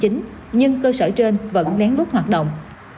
nhưng cơ sở trên vẫn nén lút hoạt động